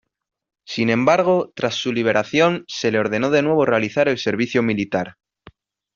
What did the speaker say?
Sin embargo, tras su liberación, se le ordenó de nuevo realizar el servicio militar.